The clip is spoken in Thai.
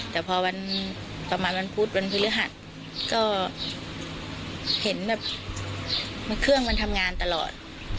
แต่พอวันประมาณวันพุธวันพฤหัสก็เห็นแบบเครื่องมันทำงานตลอด